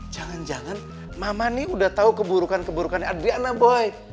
jangan jangan mama nih udah tau keburukan keburukan adriana boy